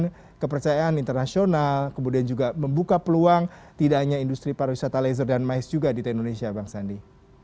kemudian kepercayaan internasional kemudian juga membuka peluang tidak hanya industri pariwisata laser dan mais juga di indonesia bang sandi